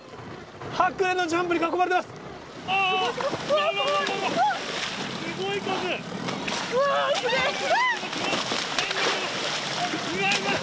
ハクレンのジャンプに囲まれています。